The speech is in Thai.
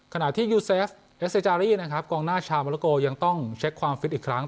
ขณะที่ยูเซฟเอสเซจารีนะครับกองหน้าชาวโมโลโกยังต้องเช็คความฟิตอีกครั้ง